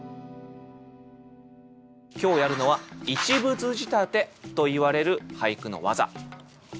今日やるのは「一物仕立て」といわれる俳句の技。